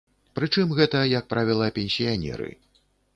Прычым гэта, як правіла, пенсіянеры.